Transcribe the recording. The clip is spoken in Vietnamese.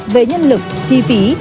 về nhân lực chi phí